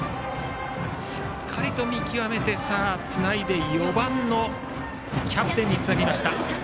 しっかりと見極めて４番のキャプテンにつなぎました。